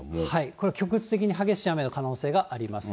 これ、局地的に激しい雨の可能性があります。